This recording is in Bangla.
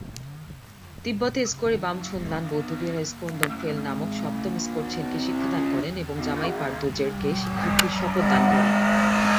তিব্বতে ঙ্গোর-এ-বাম-ছোস-ল্দান বৌদ্ধবিহারে দ্কোন-ম্ছোগ-'ফেল-বা নামক সপ্তম ঙ্গোর-ছেনকে শিক্ষাদান করেন এবং 'জাম-পা'ই-র্দো-র্জেকে শিক্ষার্থীর শপথ দান করেন।